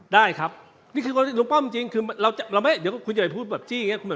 ได้ครับนี่คือคนที่ถูกต้องจริงคือเราจะเราไม่เดี๋ยวคุณจะไปพูดแบบจี้อย่างเงี้ย